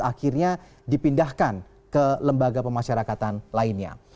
akhirnya dipindahkan ke lembaga pemasyarakatan lainnya